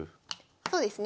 そうですね。